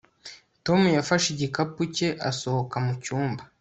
Tom yafashe igikapu cye asohoka mu cyumba